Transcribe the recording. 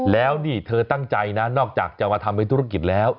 แล้วนี่เธอตั้งใจนะนอกจากจะมาทำเป็นธุรกิจแล้ว